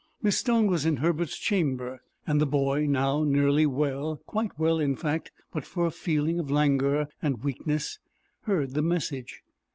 Miss Stone was in Herbert's chamber, and the boy now nearly well, quite well, in fact, but for a feeling of languor and weakness heard the message.